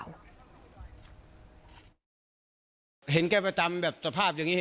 ก็เลยไม่รู้ว่าวันเกิดเหตุคือมีอาการมืนเมาอะไรบ้างหรือเปล่า